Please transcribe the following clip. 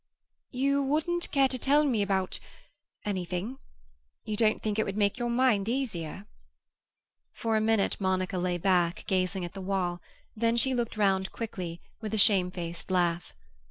"You wouldn't care to tell me about—anything? You don't think it would make your mind easier?" For a minute Monica lay back, gazing at the wall, then she looked round quickly, with a shamefaced laugh.